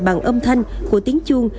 bằng âm thanh của tiếng chuông